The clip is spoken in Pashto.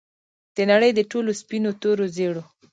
د نړۍ د ټولو سپینو، تورو، زیړو